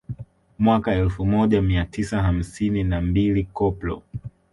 Mwaka elfu moja mia tisa hamsini na mbili Koplo